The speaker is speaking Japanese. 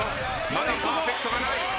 まだパーフェクトがない。